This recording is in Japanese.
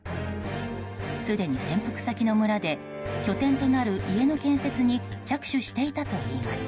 すでに潜伏先の村で拠点となる家の建設に着手していたといいます。